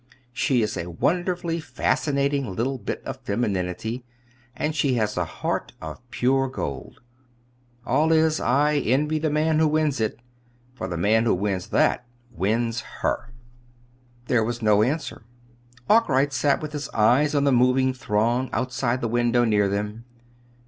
She is a wonderfully fascinating little bit of femininity, and she has a heart of pure gold. All is, I envy the man who wins it for the man who wins that, wins her." There was no answer. Arkwright sat with his eyes on the moving throng outside the window near them.